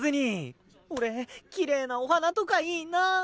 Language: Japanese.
俺きれいなお花とかいいな！